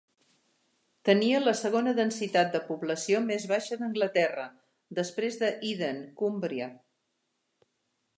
Tenia la segona densitat de població més baixa d'Anglaterra, després de Eden, Cumbria.